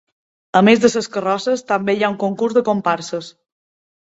A més de les carrosses, també hi ha un concurs de comparses.